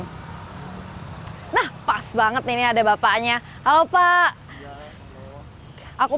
cek di jakarta ada nggak nih pedagang starling nah pas banget ini ada bapaknya halo pak aku